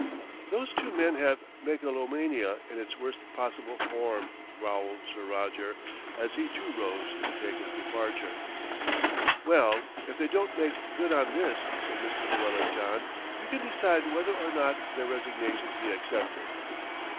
"Those two men have megalomania in its worst possible form," growled Sir Roger, as he too rose to take his departure. "Well, if they don't make good on this," said Mr. Llewellyn John, "you can decide whether or not their resignations be accepted."